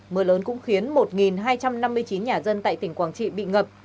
mưa lớn cũng khiến một hai trăm năm mươi chín nhà dân tại tỉnh quảng trị bị ngập